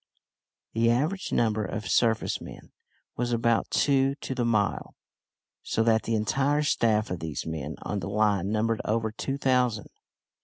The average number of surface men was about two to the mile so that the entire staff of these men on the line numbered over two thousand.